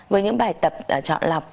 với những bài tập chọn lọc